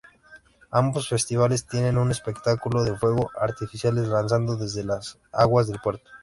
Ambos festivales tienen un espectáculo de fuegos artificiales lanzados desde las aguas del puerto.